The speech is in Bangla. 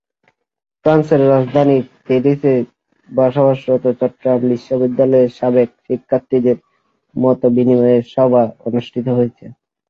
ফ্রান্সের রাজধানী প্যারিসে বসবাসরত চট্টগ্রাম বিশ্ববিদ্যালয়ের সাবেক শিক্ষার্থীদের মতবিনিময় সভা অনুষ্ঠিত হয়েছে।